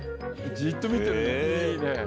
じっと見てるのもいいね。